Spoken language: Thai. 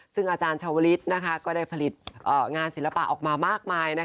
ซึ่งอาจารย์ชาวลิศก็ได้ผลิตงานศิลปะออกมามากมาย